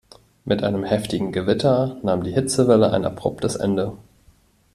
Mit einem heftigen Gewitter nahm die Hitzewelle ein abruptes Ende.